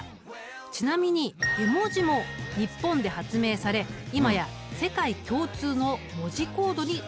ちなみに絵文字も日本で発明され今や世界共通の文字コードに登録されているんだ。